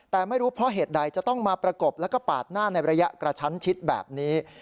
แต่ไม่รู้เพราะเหตุใดจะต้องมาประกบแล้วก็ปาดหน้าในระยะกระชั้นชิดแบบนี้